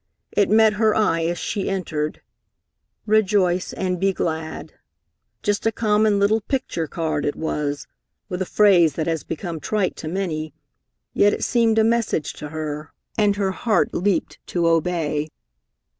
It met her eye as she entered "Rejoice and be glad." Just a common little picture card, it was, with a phrase that has become trite to many, yet it seemed a message to her, and her heart leaped to obey.